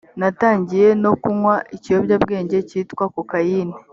natangiye no kunywa ikiyobyabwenge cyitwa kokayine